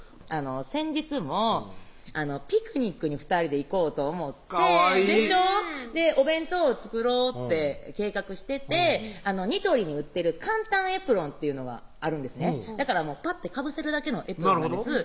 先日もピクニックに２人で行こうと思ってかわいいお弁当を作ろうって計画しててニトリに売ってる簡単エプロンというのがあるんですねだからぱってかぶせるだけのエプロンなんです